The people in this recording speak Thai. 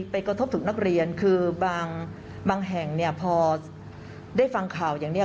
กระทบถึงนักเรียนคือบางแห่งเนี่ยพอได้ฟังข่าวอย่างนี้